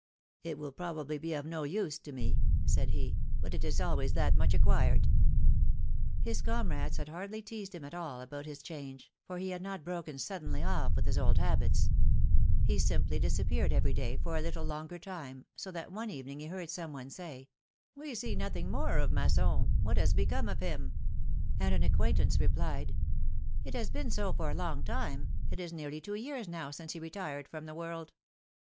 209 It will probably be of no use to me/^ said he, but it is always that much acquired His comrades had hardly teazed him at all about his change, for he had not broken suddenly olF with his old habits ; he simply disappeared every day for a little longer time, so that one evening he heard some one say : We see nothing more of Masson. What has become of him?" And an acquaintance replied : ^'It has been so for a long time; it is nearly two years now since he retired from the world."